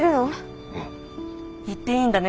言っていいんだね。